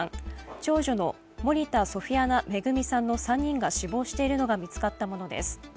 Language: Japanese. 長女の森田ソフィアナ恵さんの３人が死亡しているのが見つかったものです。